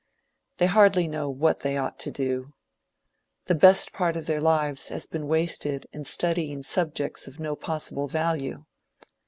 They hardly know what they ought to do. The best part of their lives has been wasted in studying subjects of no possible value.